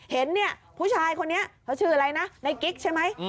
เห็นเนี่ยผู้ชายคนนี้เขาชื่ออะไรนะในกิ๊กใช่ไหม